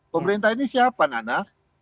pemerintah ini siapa nana